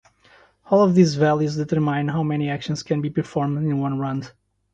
All of these values determine how many actions can be performed in one round.